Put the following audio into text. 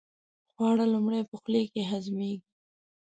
خواړه لومړی په خولې کې هضمېږي.